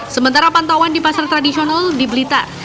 sementara pantauan di pasar tradisional di blitar